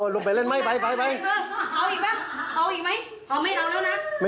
ลุงไปเล่นไหมไป